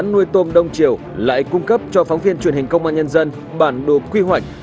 nuôi tôm đông triều lại cung cấp cho phóng viên truyền hình công an nhân dân bản đồ quy hoạch